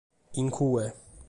In cue.